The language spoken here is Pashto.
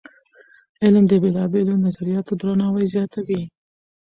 علم د بېلابېلو نظریاتو درناوی زیاتوي.